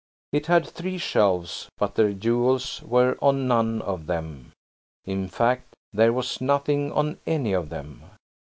It had three shelves, but the jewels were on none of them. In fact there was nothing on any of them.